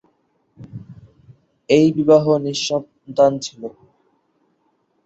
এই বিবাহ নিঃসন্তান ছিল।